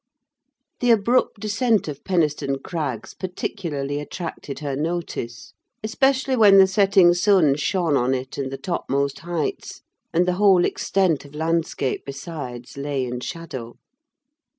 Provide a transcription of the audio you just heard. The abrupt descent of Penistone Crags particularly attracted her notice; especially when the setting sun shone on it and the topmost heights, and the whole extent of landscape besides lay in shadow.